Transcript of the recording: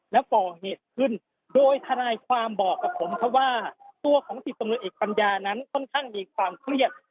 แล้วก่อเหตุขึ้นโดยทนายความบอกกับผมครับว่าตัวของสิบตำรวจเอกปัญญานั้นค่อนข้างมีความเครียด